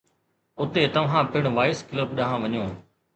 اتي توهان پڻ وائيس ڪلب ڏانهن وڃو.